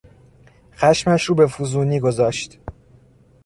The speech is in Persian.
خشمش رو به فزونی گذاشت.